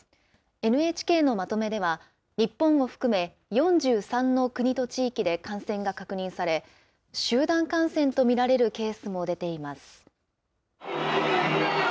ＮＨＫのまとめでは、日本を含め、４３の国と地域で感染が確認され、集団感染と見られるケースも出ています。